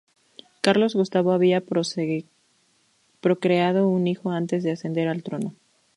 Carlos Gustavo había procreado un hijo antes de ascender al trono.